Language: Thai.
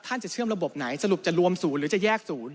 จะเชื่อมระบบไหนสรุปจะรวมศูนย์หรือจะแยก๐